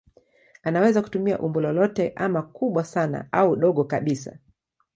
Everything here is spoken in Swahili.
Anaweza kutumia umbo lolote ama kubwa sana au dogo kabisa.